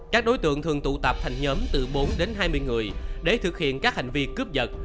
các đối tượng thường tụ tập thành nhóm từ bốn đến hai mươi người để thực hiện các hành vi cướp giật